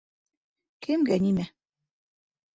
Кемгә нимә.